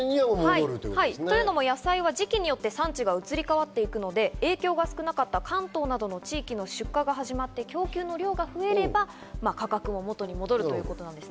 というのも、野菜は時期によって産地が移り変わっていくので、影響が少なかった関東などの地域の出荷が始まって供給量が増えれば、価格も元に戻るということです。